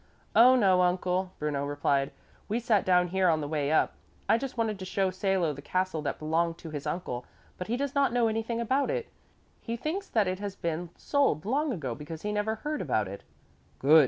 "Oh, no, uncle," Bruno replied, "we sat down here on the way up. I just wanted to show Salo the castle that belonged to his uncle, but he does not know anything about it. He thinks that it has been sold long ago because he never heard about it." "Good!"